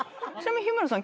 日村さん。